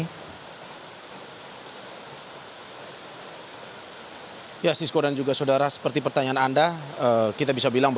polisi menyebutkan bahwa sang ibu yang membunuh anaknya di bekasi sudah ditetapkan sebagai tersangka